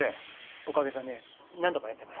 おかげさんでなんとかやってます。